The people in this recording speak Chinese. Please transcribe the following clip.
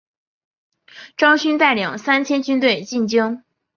张勋带领三千军队进京。